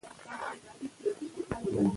امنیت د ازادي راډیو د مقالو کلیدي موضوع پاتې شوی.